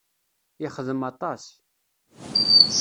Yexdem aṭas.